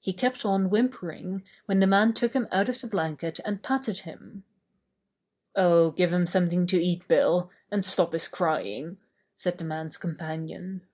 He kept on whimpering when the man took him out of the blanket and patted him. "Oh, give him something to eat. Bill, and stop his crying," said the man's companion.